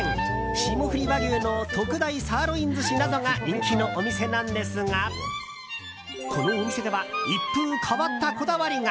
霜降り和牛の特大サーロイン寿司などが人気のお店なんですがこのお店では一風変わったこだわりが。